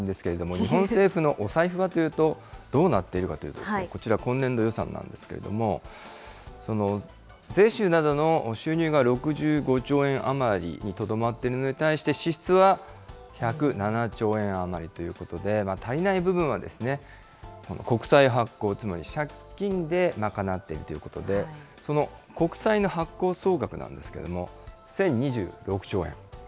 お金に余裕のある方は、お財布を気にしなくてもいいんですけれども、日本政府のお財布はというと、どうなっているかというとこちら、今年度予算なんですけれども、税収などの収入が６５兆円余りにとどまっているのに対して、支出は１０７兆円余りということで、足りない部分は国債発行、つまり借金で賄っているということで、その国債の発行総額なんですけれども、１０２６兆円。